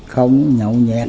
không nhậu nhẹt